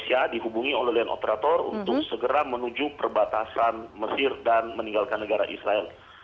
menghubungi oleh operator untuk segera menuju perbatasan mesir dan meninggalkan negara israel